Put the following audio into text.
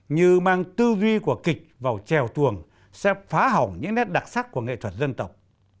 như mang tư duy của kịch vào trèo tuồng sẽ phá hỏng những nét đặc sắc của nghệ thuật dân tộc